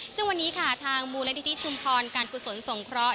ซึ่งวันนี้ค่ะทางมูลนิธิชุมพรการกุศลสงเคราะห